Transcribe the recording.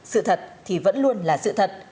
sự thật thì vẫn luôn là sự thật